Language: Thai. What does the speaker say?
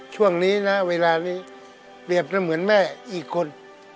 ช่วงนี้นะเวลานี้เปรียบเสมือนแม่อีกคน